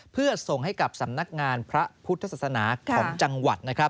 เพื่อส่งให้กับสำนักงานพระพุทธศาสนาของจังหวัดนะครับ